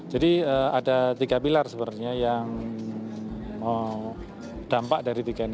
jadi ada tiga pilar sebenarnya yang dampak dari tiga ini